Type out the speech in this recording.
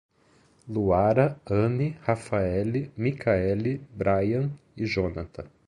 Luara, Anny, Rafaele, Mikaele, Braian e Jonatha